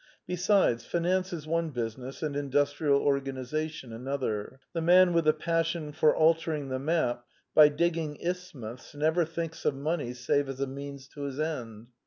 Besides, finance is one business, and industrial organization another: the man with a passion for altering the map by digging isthmuses never thinks of money save as a means to his end.